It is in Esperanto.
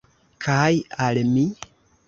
Kaj al mi.